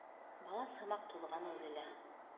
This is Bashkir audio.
Балаҫ һымаҡ туҙған үҙе лә.